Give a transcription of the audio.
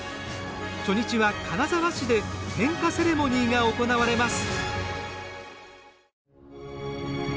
初日は金沢市で点火セレモニーが行われます。